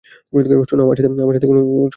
শোনো, আমার সাথে কোনো সমস্যা থাকলে, বলবে আমাকে।